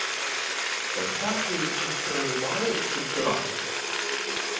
பெண்டாட்டியைத் திட்டுறது மாதிரி திட்டுறான்.